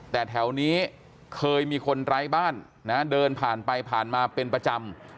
แต่แถวนี้เคยมีคนไร้บ้านนะเดินผ่านไปผ่านมาเป็นประจำ